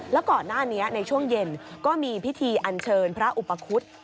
แล้วก่อนหน้านี้ในช่วงเย็นก็มีพิธีอันเชิญพระอุปคุฎ